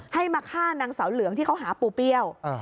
ให้มาฆ่านางเสาเหลืองที่เขาหาปูเปรี้ยว